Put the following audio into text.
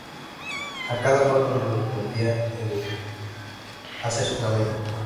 A cada cual correspondía el hacer su camino.